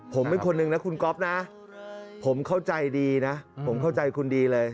ผมเป็นคนหนึ่งนะคุณก๊อฟนะผมเข้าใจดีนะผมเข้าใจคุณดีเลย